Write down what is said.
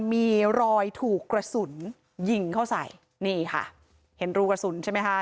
มีรอยถูกกระสุนยิงเข้าใส่นี่ค่ะเห็นรูกระสุนใช่ไหมคะ